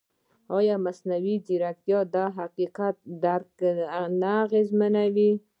ایا مصنوعي ځیرکتیا د حقیقت درک نه اغېزمنوي؟